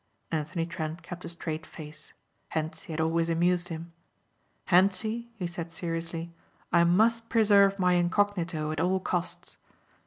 Anthony Trent kept a straight face. Hentzi had always amused him. "Hentzi," he said seriously, "I must preserve my incognito at all costs.